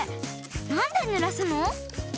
なんでぬらすの？